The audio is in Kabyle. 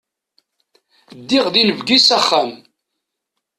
Ddiɣ d inebgi s axxam.